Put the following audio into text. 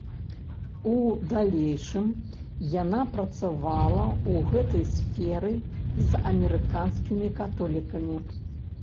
У далейшым яна працавала ў гэтай сферы з амерыканскімі католікамі.